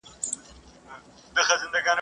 مور که لېوه هم سي، خپل زوى نه خوري.